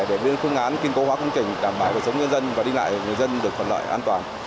để đưa phương án kinh cố hóa công trình đảm bảo sống nhân dân và đi ngại người dân được phần lợi an toàn